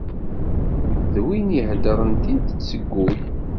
D win iheddṛen tidet seg wul.